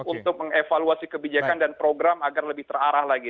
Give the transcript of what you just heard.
untuk mengevaluasi kebijakan dan program agar lebih terarah lagi